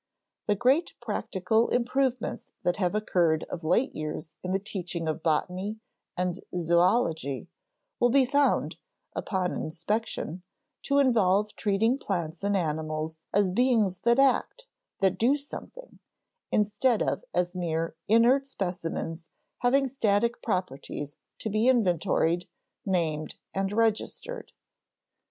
The great practical improvements that have occurred of late years in the teaching of botany and zoölogy will be found, upon inspection, to involve treating plants and animals as beings that act, that do something, instead of as mere inert specimens having static properties to be inventoried, named, and registered.